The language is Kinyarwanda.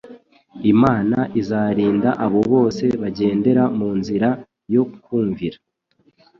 Imana izarinda abo bose bagendera mu nzira yo kumvira;